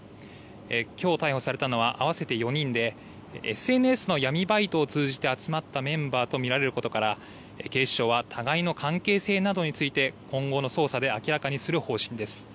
きょう逮捕されたのは合わせて４人でＳＮＳの闇バイトを通じて集まったメンバーと見られることから警視庁は互いの関係性などについて今後の捜査で明らかにする方針です。